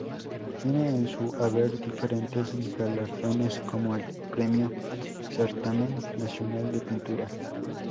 Tiene en su haber diferentes galardones como el ""Premio Certamen Nacional de Pintura.